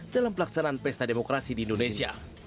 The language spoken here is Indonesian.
dalam pelaksanaan pesta demokrasi di indonesia